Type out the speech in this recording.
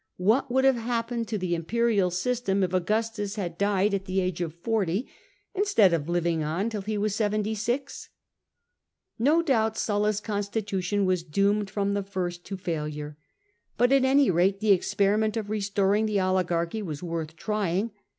What would have happened to the imperial system if Augustus had died at the age of forty, instead of living on till he was seventy six ? No doubt Sulla's constitution was doomed from the first to failure. But, at any rate, the experiment of restoring the oligarchy was worth trying.